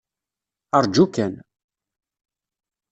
Ṛju kan.